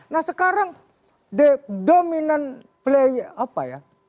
nah sekarang the dominant play apa ya